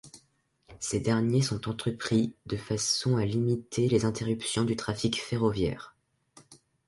Ces derniers sont entrepris de façon à limiter les interruptions du trafic ferroviaire.